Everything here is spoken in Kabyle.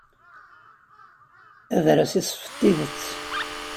Adras iseffeḍ tidet.